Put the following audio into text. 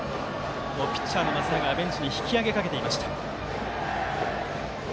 ピッチャーの松永がベンチに引き揚げかけていました。